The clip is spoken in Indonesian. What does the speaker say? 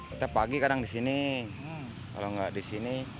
kita pagi kadang di sini kalau nggak di sini